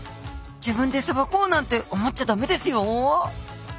自分でさばこうなんて思っちゃダメですよ！